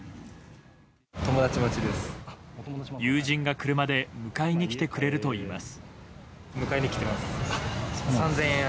友人が車で迎えに来てくれるといいます。